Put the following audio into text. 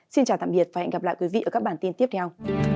xin chào tạm biệt và hẹn gặp lại quý vị ở các bản tin tiếp theo